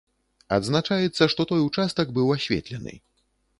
Адзначаецца, што той участак быў асветлены.